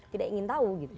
tidak ingin tahu gitu